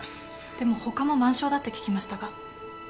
でも他も満床だって聞きましたが。